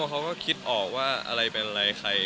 เขาก็คิดออกว่าอะไรเป็นอะไรใคร